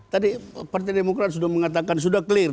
tadi partai demokrat sudah mengatakan sudah clear